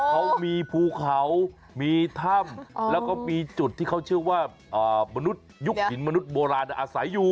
เขามีภูเขามีถ้ำแล้วก็มีจุดที่เขาเชื่อว่ามนุษย์ยุคหินมนุษย์โบราณอาศัยอยู่